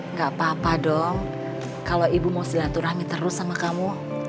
nggak apa apa dong kalau ibu mau silaturahmi terus sama kamu